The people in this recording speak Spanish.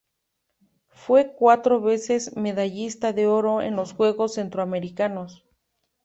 Fue cuatro veces medallista de oro en los Juegos Centroamericanos.